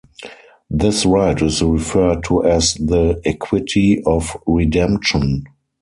This right is referred to as the "equity of redemption".